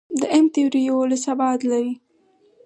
د M-تیوري یوولس ابعاد لري.